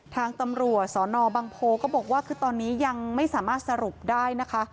ทางตำรวจสนบังโพก็บอกว่าคือตอนนี้ยังไม่สามารถสรุปได้นะคะ